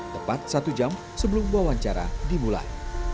tepat satu jam sebelum wawancara dimulai